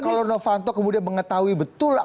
kalau novanto kemudian mengetahui betul